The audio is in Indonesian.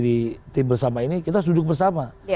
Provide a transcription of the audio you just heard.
di tim bersama ini kita harus duduk bersama